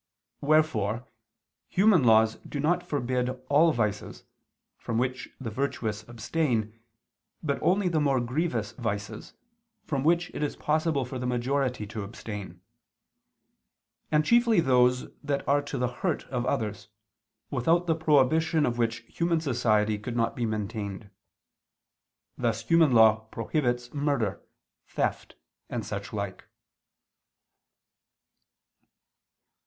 Wherefore human laws do not forbid all vices, from which the virtuous abstain, but only the more grievous vices, from which it is possible for the majority to abstain; and chiefly those that are to the hurt of others, without the prohibition of which human society could not be maintained: thus human law prohibits murder, theft and such like.